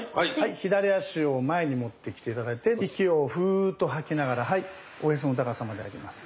左足を前に持ってきて頂いて息をフーッと吐きながらおへその高さまで上げます。